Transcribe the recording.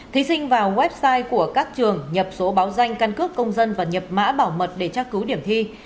thí sinh vào website của các trường nhập số báo danh căn cước công dân và nhập mã bảo mật để tra cứu điểm thi